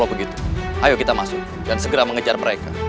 oh begitu ayo kita masuk dan segera mengejar mereka